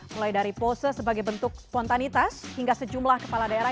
mulai dari pose sebagai bentuk spontanitas hingga sejumlah kepala daerah